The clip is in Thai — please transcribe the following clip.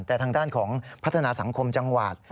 แต่ทางด้านของพัฒนาสังคมจังหวัด